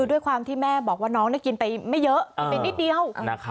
ด้วยความที่แม่บอกว่าน้องกินไปไม่เยอะกินไปนิดเดียว